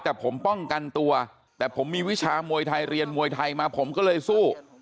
แต่ผมป้องกันตัวแต่ผมมีวิชามวยไทยเรียนมวยไทยมาผมก็เลยสู้